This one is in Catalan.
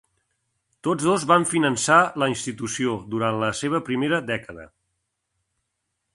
Tots dos van finançar la institució durant la seva primera dècada.